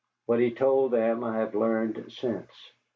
What he told them I have learned since.